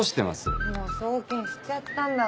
もう送検しちゃったんだから。